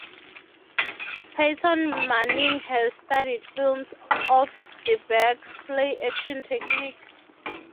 Peyton Manning has studied films of DeBerg's play-action technique.